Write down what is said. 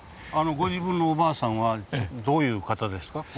ご自分のおばあさんはどういう方ですか？